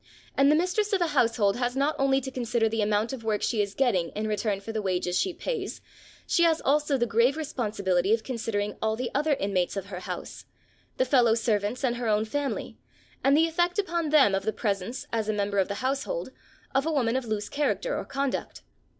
And the mistress of a household has not only to consider the amount of work she is getting in return for the wages she pays, she has also the grave responsibility of considering all the other inmates of her house, the fellow servants and her own family, and the effect upon them of the presence, as a member of the household, of a woman of loose character or conduct.